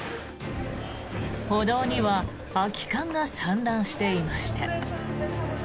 歩道には空き缶が散乱していました。